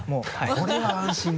これは安心だ。